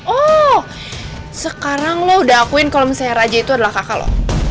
oh sekarang lo udah akuin kalau misalnya raja itu adalah kakak lo